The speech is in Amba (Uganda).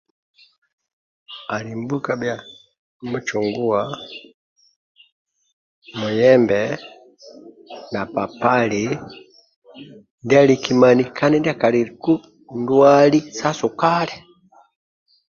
Adi mbukaisi bia mucuguwa muyebe na papali ndia likimania Kandi ndia kaliku ndwali sa sukali